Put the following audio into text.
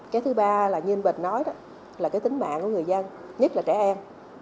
cái thứ ba là như anh bình nói đó là cái tính mạng của người dân nhất là trẻ em